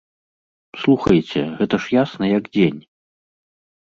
Слухайце, гэта ж ясна, як дзень.